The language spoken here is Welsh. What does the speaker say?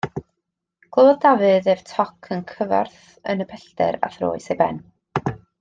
Clywodd Dafydd ef toc yn cyfarth yn y pellter a throes ei ben.